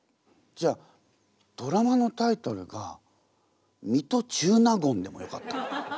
じゃあドラマのタイトルが「水戸中納言」でもよかった。